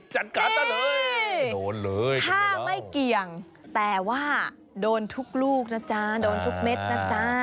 จัดการซะเลยโดนเลยถ้าไม่เกี่ยงแต่ว่าโดนทุกลูกนะจ๊ะโดนทุกเม็ดนะจ๊ะ